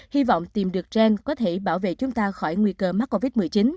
hy vọng tìm được gen có thể bảo vệ chúng ta khỏi nguy cơ mắc covid một mươi chín